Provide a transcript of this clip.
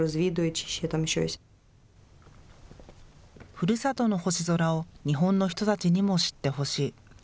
ふるさとの星空を日本の人たちにも知ってほしい。